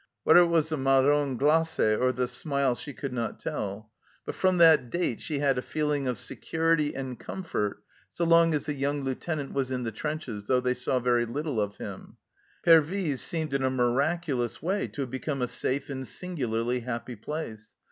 Whether it was the marrons glaces or the smile she could not tell, but from that date she had a feel ing of security and comfort so long as the young Lieutenant was in the trenches, though they saw very little of him. Pervyse seemed in a miracu lous way to have become a safe and singularly happy place.